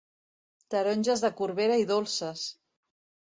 Taronges de Corbera i dolces!